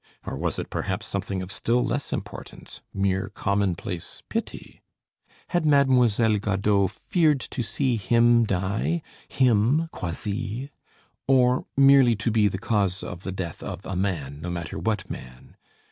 Or was it perhaps something of still less importance, mere commonplace pity? Had Mademoiselle Godeau feared to see him die him, Croisilles or merely to be the cause of the death of a man, no matter what man?